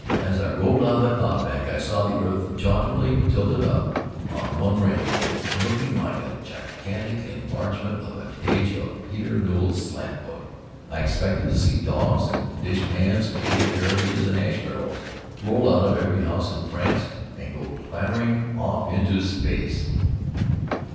As I rolled out of the cloud bank, I saw the earth jauntily tilted up on one rim, looking like a gigantic enlargement of a page out of Peter Newell's "Slant Book." I expected to see dogs and dishpans, baby carriages and ash barrels roll out of every house in France, and go clattering off into space.